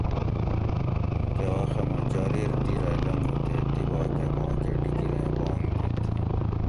کہ وخہ مہ جاریر دِر اۤ لنگُو تے تِباکہ ماکہ ڈِگیر ایں بانگ دِت